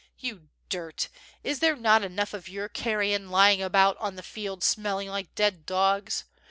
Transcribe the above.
You dirt! Is there not enough of your carrion lying about on the field smelling like dead dogs?